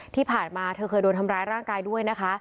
ที่ผ่านมาเธอเคยโดนทำร้ายร่างกายด้วยนะคะ